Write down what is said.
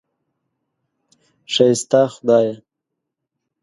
ښایسته خدایه!